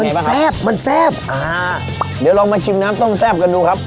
บ้างแซ่บมันแซ่บอ่าเดี๋ยวลองมาชิมน้ำต้มแซ่บกันดูครับ